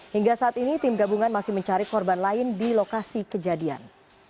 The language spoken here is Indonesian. hingga saat ini tim gabungan masih mencari korban lain di lokasi kejadian